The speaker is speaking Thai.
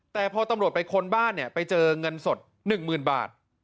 แต่พอตำรวจไปค้นบ้านเนี่ยไปเจอเงินสด๑๐๐๐บาท